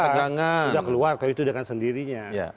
sudah keluar kalau itu dengan sendirinya